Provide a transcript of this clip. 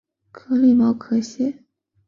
颗粒毛壳蟹为扇蟹科毛壳蟹属的动物。